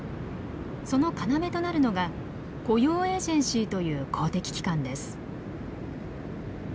その要となるのが雇用エージェンシーという公的機関です。